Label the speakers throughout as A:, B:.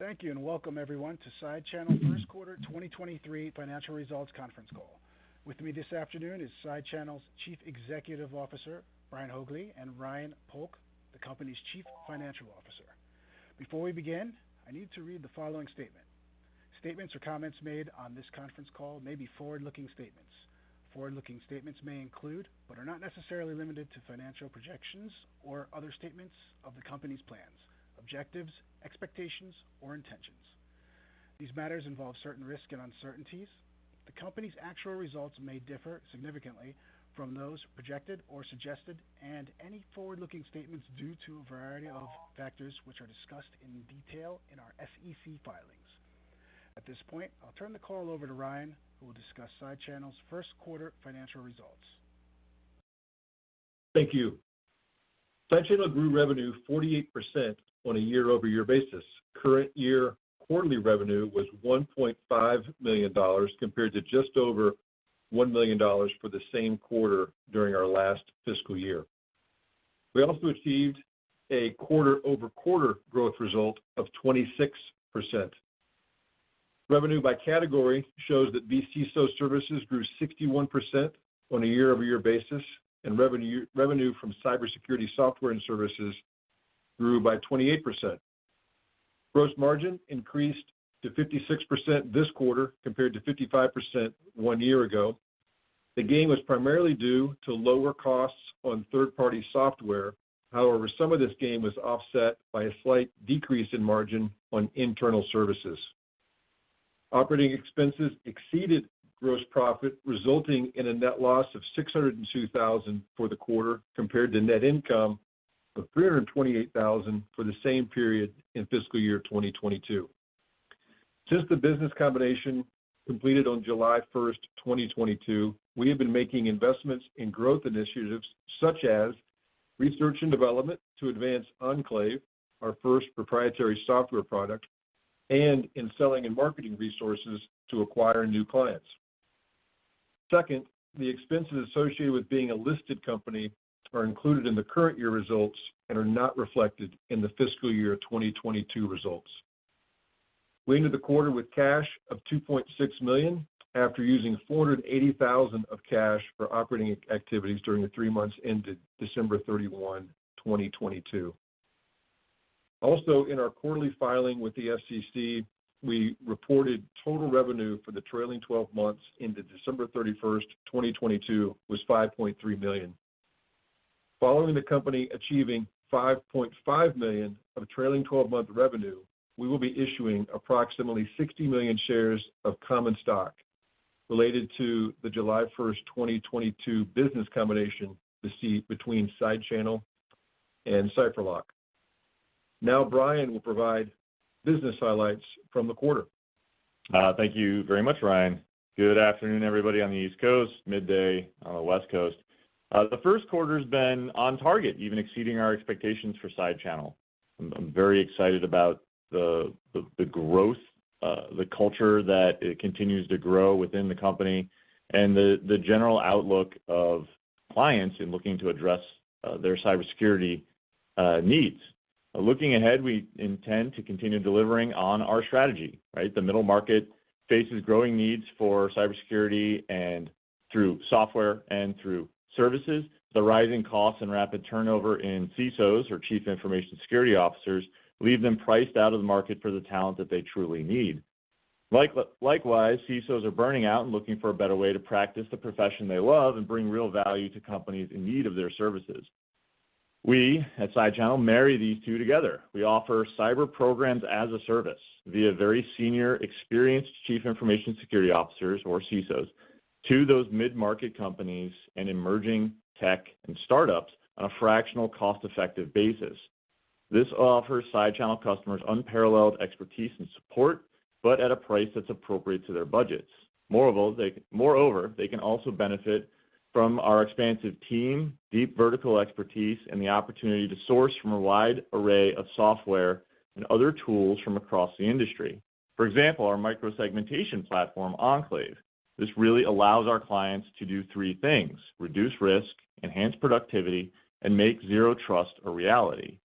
A: Thank you. Welcome everyone to SideChannel first quarter 2023 financial results conference call. With me this afternoon is SideChannel's Chief Executive Officer, Brian Haugli, and Ryan Polk, the company's Chief Financial Officer. Before we begin, I need to read the following statement. Statements or comments made on this conference call may be forward-looking statements. Forward-looking statements may include, but are not necessarily limited to financial projections or other statements of the company's plans, objectives, expectations, or intentions. These matters involve certain risks and uncertainties. The company's actual results may differ significantly from those projected or suggested and any forward-looking statements due to a variety of factors, which are discussed in detail in our SEC filings. At this point, I'll turn the call over to Ryan, who will discuss SideChannel's 1st quarter financial results.
B: Thank you. SideChannel grew revenue 48% on a year-over-year basis. Current year quarterly revenue was $1.5 million compared to just over $1 million for the same quarter during our last fiscal year. We also achieved a quarter-over-quarter growth result of 26%. Revenue by category shows that vCISO services grew 61% on a year-over-year basis, and revenue from cybersecurity software and services grew by 28%. Gross margin increased to 56% this quarter compared to 55% one year ago. The gain was primarily due to lower costs on third-party software. Some of this gain was offset by a slight decrease in margin on internal services. Operating expenses exceeded gross profit, resulting in a net loss of $602,000 for the quarter, compared to net income of $328,000 for the same period in fiscal year 2022. Since the business combination completed on July 1, 2022, we have been making investments in growth initiatives such as research and development to advance Enclave, our first proprietary software product, and in selling and marketing resources to acquire new clients. Second, the expenses associated with being a listed company are included in the current year results and are not reflected in the fiscal year 2022 results. We ended the quarter with cash of $2.6 million after using $480,000 of cash for operating activities during the three months ended December 31, 2022. In our quarterly filing with the SEC, we reported total revenue for the trailing 12 months ended December 31st, 2022 was $5.3 million. Following the company achieving $5.5 million of trailing 12-month revenue, we will be issuing approximately 60 million shares of common stock related to the July 1st, 2022 business combination between SideChannel and Cipherloc. Brian will provide business highlights from the quarter.
C: Thank you very much, Ryan. Good afternoon, everybody on the East Coast, midday on the West Coast. The 1st quarter's been on target, even exceeding our expectations for SideChannel. I'm very excited about the growth, the culture that continues to grow within the company and the general outlook of clients in looking to address their cybersecurity needs. Looking ahead, we intend to continue delivering on our strategy, right? The middle market faces growing needs for cybersecurity and through software and through services. The rising costs and rapid turnover in CISOs or Chief Information Security Officers leave them priced out of the market for the talent that they truly need. Likewise, CISOs are burning out and looking for a better way to practice the profession they love and bring real value to companies in need of their services. We at SideChannel marry these two together. We offer cyber programs as a service via very senior experienced chief information security officers or CISOs to those mid-market companies and emerging tech and startups on a fractional cost-effective basis. This offers SideChannel customers unparalleled expertise and support, but at a price that's appropriate to their budgets. Moreover, they can also benefit from our expansive team, deep vertical expertise, and the opportunity to source from a wide array of software and other tools from across the industry. For example, our microsegmentation platform, Enclave. This really allows our clients to do three things: reduce risk, enhance productivity, and make zero trust a reality.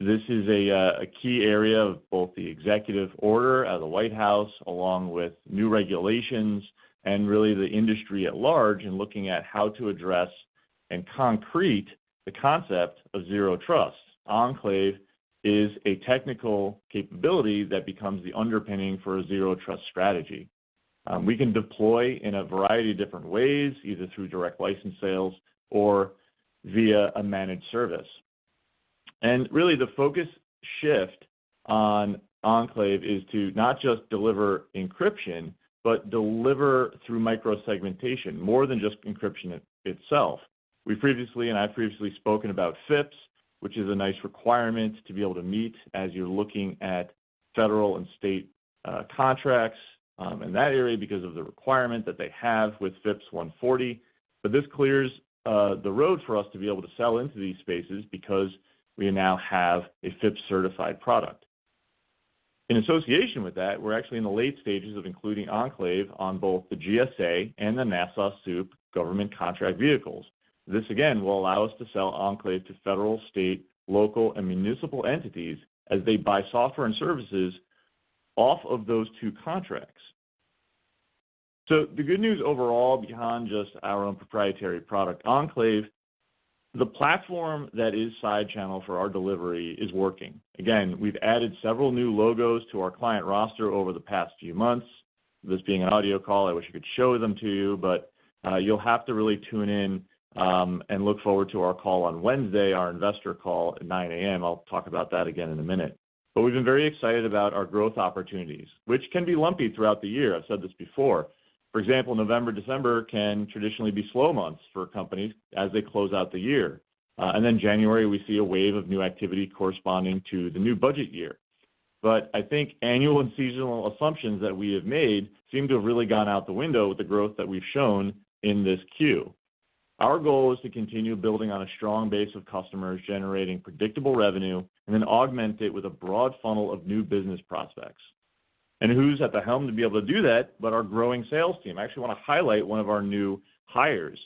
C: This is a key area of both the executive order at the White House along with new regulations and really the industry at large in looking at how to address and concrete the concept of zero trust. Enclave is a technical capability that becomes the underpinning for a zero trust strategy. We can deploy in a variety of different ways, either through direct license sales or via a managed service. Really the focus shift on Enclave is to not just deliver encryption, but deliver through microsegmentation, more than just encryption itself. We previously and I've previously spoken about FIPS, which is a NIST requirement to be able to meet as you're looking at federal and state contracts in that area because of the requirement that they have with FIPS 140. This clears the road for us to be able to sell into these spaces because we now have a FIPS-certified product. In association with that, we're actually in the late stages of including Enclave on both the GSA and the NASA SEWP government contract vehicles. This again will allow us to sell Enclave to federal, state, local, and municipal entities as they buy software and services off of those two contracts. The good news overall, behind just our own proprietary product, Enclave, the platform that is SideChannel for our delivery is working. Again, we've added several new logos to our client roster over the past few months. This being an audio call, I wish I could show them to you, but you'll have to really tune in and look forward to our call on Wednesday, our investor call at 9:00 A.M. I'll talk about that again in a minute. We've been very excited about our growth opportunities, which can be lumpy throughout the year. I've said this before. For example, November, December can traditionally be slow months for companies as they close out the year. January, we see a wave of new activity corresponding to the new budget year. I think annual and seasonal assumptions that we have made seem to have really gone out the window with the growth that we've shown in this 10-Q. Our goal is to continue building on a strong base of customers, generating predictable revenue and then augment it with a broad funnel of new business prospects. Who's at the helm to be able to do that but our growing sales team? I actually wanna highlight one of our new hires.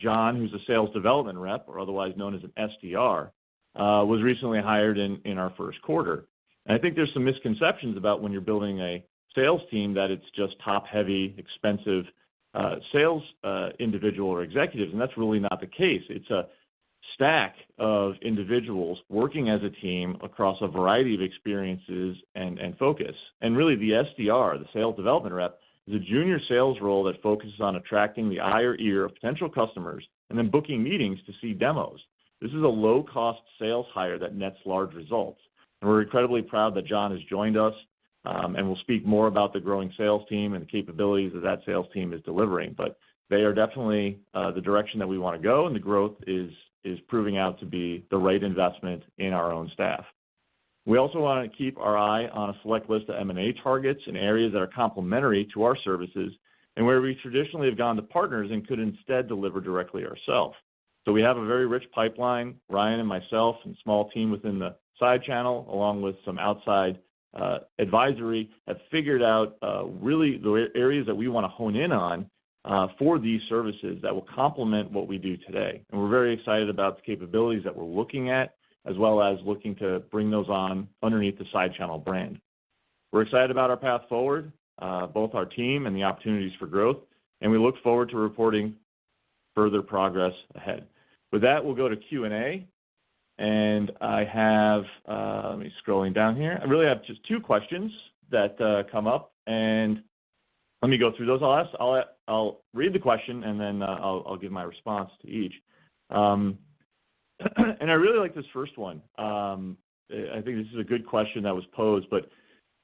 C: John, who's a sales development rep, or otherwise known as an SDR, was recently hired in our first quarter. I think there's some misconceptions about when you're building a sales team that it's just top-heavy, expensive, sales, individual or executives, and that's really not the case. It's a stack of individuals working as a team across a variety of experiences and focus. Really, the SDR, the sales development rep, is a junior sales role that focuses on attracting the eye or ear of potential customers and then booking meetings to see demos. This is a low-cost sales hire that nets large results. We're incredibly proud that John has joined us, and we'll speak more about the growing sales team and the capabilities that sales team is delivering. They are definitely the direction that we wanna go, and the growth is proving out to be the right investment in our own staff. We also wanna keep our eye on a select list of M&A targets in areas that are complementary to our services and where we traditionally have gone to partners and could instead deliver directly ourselves. We have a very rich pipeline. Ryan and myself and small team within SideChannel, along with some outside advisory, have figured out really the areas that we wanna hone in on for these services that will complement what we do today. We're very excited about the capabilities that we're looking at, as well as looking to bring those on underneath the SideChannel brand. We're excited about our path forward, both our team and the opportunities for growth. We look forward to reporting further progress ahead. With that, we'll go to Q&A. I have... Let me scrolling down here. I really have just two questions that come up. Let me go through those. I'll read the question. Then I'll give my response to each. I really like this first one. I think this is a good question that was posed.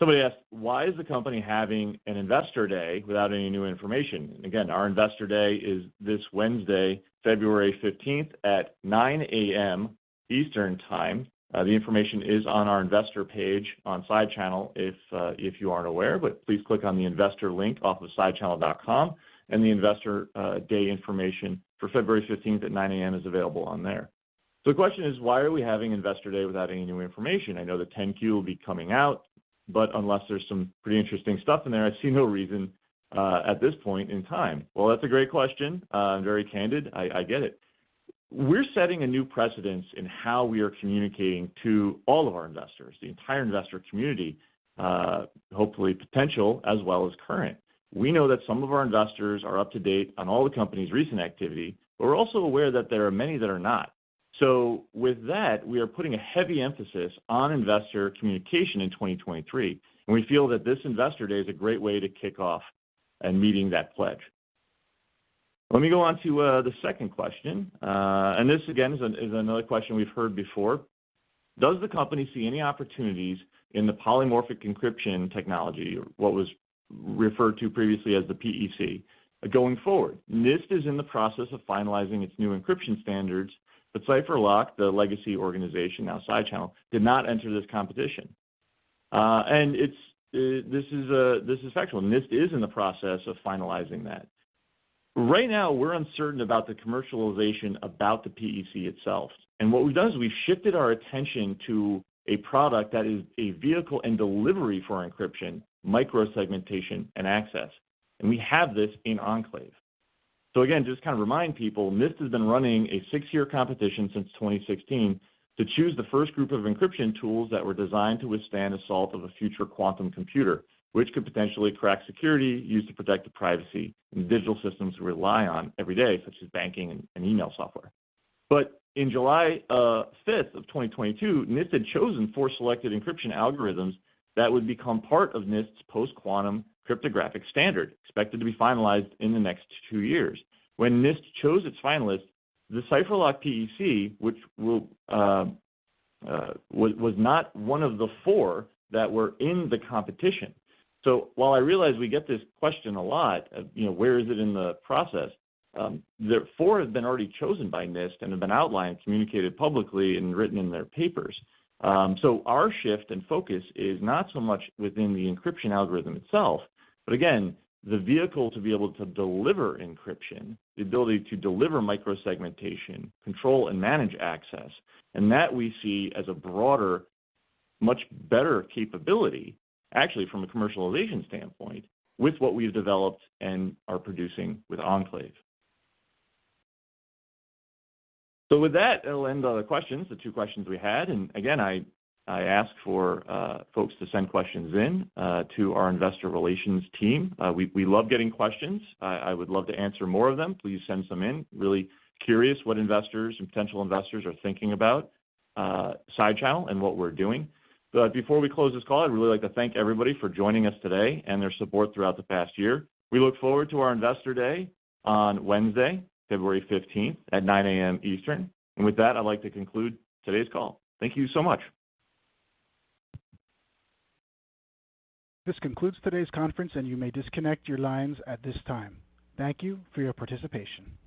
C: Somebody asked, "Why is the company having an investor day without any new information?" Again, our investor day is this Wednesday, February 15th at 9:00 A.M. Eastern time. The information is on our investor page on SideChannel if you aren't aware. Please click on the investor link off of sidechannel.com, and the Investor Day information for February 15th at 9:00 A.M. is available on there. The question is, why are we having Investor Day without any new information? I know the 10-Q will be coming out, but unless there's some pretty interesting stuff in there, I see no reason at this point in time. Well, that's a great question. Very candid. I get it. We're setting a new precedence in how we are communicating to all of our investors, the entire investor community, hopefully potential as well as current. We know that some of our investors are up to date on all the company's recent activity, but we're also aware that there are many that are not. With that, we are putting a heavy emphasis on investor communication in 2023, and we feel that this investor day is a great way to kick off in meeting that pledge. Let me go on to the second question. This again is another question we've heard before. Does the company see any opportunities in the Polymorphic Encryption Core technology, what was referred to previously as the PEC, going forward? NIST is in the process of finalizing its new encryption standards, Cipherloc, the legacy organization now SideChannel, did not enter this competition. It's this is factual. NIST is in the process of finalizing that. Right now, we're uncertain about the commercialization about the PEC itself. What we've done is we've shifted our attention to a product that is a vehicle and delivery for encryption, microsegmentation, and access, and we have this in Enclave. Again, just to kind of remind people, NIST has been running a six-year competition since 2016 to choose the first group of encryption tools that were designed to withstand assault of a future quantum computer, which could potentially crack security used to protect the privacy in digital systems we rely on every day, such as banking and email software. In July 5th of 2022, NIST had chosen four selected encryption algorithms that would become part of NIST's post-quantum cryptographic standard, expected to be finalized in the next two years. When NIST chose its finalists, the Cipherloc PEC, which was not one of the four that were in the competition. While I realize we get this question a lot, you know, where is it in the process? The four have been already chosen by NIST and have been outlined, communicated publicly, and written in their papers. Our shift and focus is not so much within the encryption algorithm itself, but again, the vehicle to be able to deliver encryption, the ability to deliver microsegmentation, control and manage access, and that we see as a broader, much better capability, actually from a commercialization standpoint, with what we've developed and are producing with Enclave. With that, it'll end the questions, the two questions we had. Again, I ask for folks to send questions in to our investor relations team. We love getting questions. I would love to answer more of them. Please send some in. Really curious what investors and potential investors are thinking about SideChannel and what we're doing. Before we close this call, I'd really like to thank everybody for joining us today and their support throughout the past year. We look forward to our investor day on Wednesday, February 15th at 9:00 A.M. Eastern. With that, I'd like to conclude today's call. Thank you so much.
A: This concludes today's conference, and you may disconnect your lines at this time. Thank you for your participation.